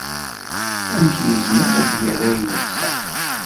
Amek yezmer ad d-yerr ayen yexser?